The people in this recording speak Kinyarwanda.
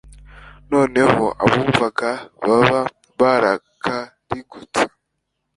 Noneho abamwumvaga baba barakarigutse.